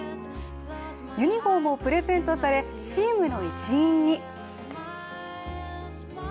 ユニフォームをプレゼントされチームの一員に。